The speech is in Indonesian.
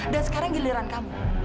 dan sekarang giliran kamu